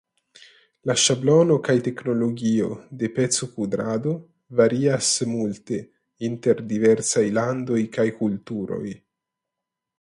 La ŝablono kaj teknologio de pecokudrado varias multe inter diversaj landoj kaj kulturoj.